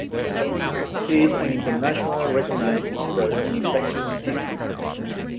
He is an internationally recognized expert in infectious diseases.